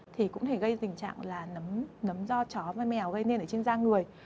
thì cũng có thể gây tình trạng là nấm do chó và mèo gây nên ở trên da người